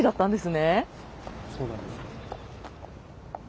そうなんです。